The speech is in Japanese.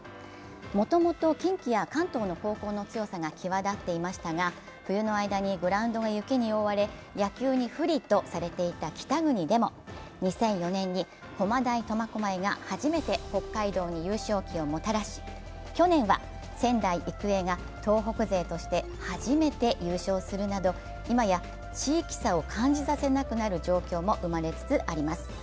もともと近畿や関東の高校の強さが際立っていましたが冬の間にグラウンドが雪に覆われ、野球に不利とされた北国でも２００４年に駒大苫小牧が初めて北海道に優勝旗をもたらし、去年は仙台育英が東北勢として初めて優勝するなど、今や地域差を感じさせなくなる状況も生まれつつあります。